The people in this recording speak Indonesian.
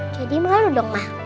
jadi malu dong ma